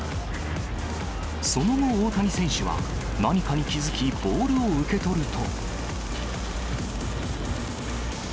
その後、大谷選手は何かに気付き、ボールを受け取ると。